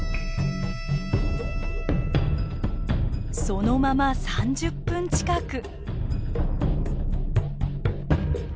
そのまま３０分近く。